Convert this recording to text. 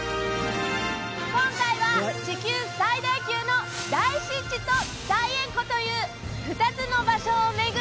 今回は地球最大級の大湿地と大塩湖という２つの場所を巡り